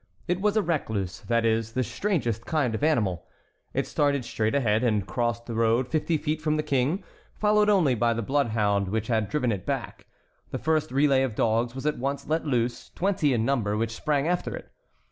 It was a recluse; that is, the strangest kind of animal. It started straight ahead and crossed the road fifty feet from the King, followed only by the bloodhound which had driven it back. The first relay of dogs was at once let loose, twenty in number, which sprang after it.